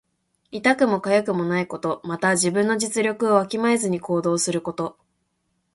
痛くもかゆくもないこと。また、自分の実力をわきまえずに行動すること。